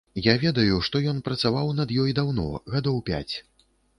Я ведаю, што ён працаваў над ёй даўно, гадоў пяць.